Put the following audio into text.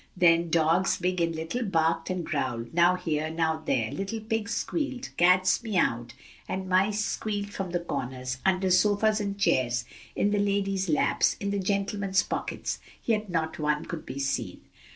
Then dogs, big and little, barked and growled, now here, now there, little pigs squealed, cats meowed, and mice squealed from the corners, under sofas and chairs, in the ladies' laps, in the gentlemen's pockets, yet not one could be seen.